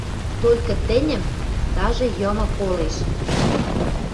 Толькы тӹньӹм... Даже йымы колеш